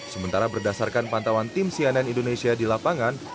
sementara berdasarkan pantauan tim cnn indonesia di lapangan